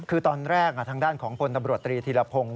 คือตอนแรกทางด้านของผลตำรวจทรียทิลพง